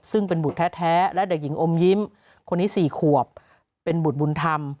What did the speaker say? ซึ่งเป็นบุตรแท้และเด็กหญิงอมยิ้มคนนี้๔ขวบเป็นบุตรบุญธรรม